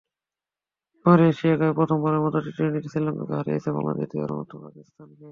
এবারের এশিয়া কাপেই প্রথমবারের মতো টি-টোয়েন্টিতে শ্রীলঙ্কাকে হারিয়েছে বাংলাদেশ, দ্বিতীয়বারের মতো পাকিস্তানকে।